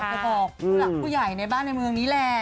จะบอกผู้หลักผู้ใหญ่ในบ้านในเมืองนี้แหละ